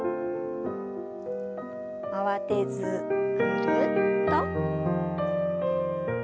慌てずぐるっと。